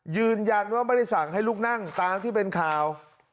ยืนยันว่าไม่ได้สั่งให้ลูกนั่งตามที่เป็นข่าว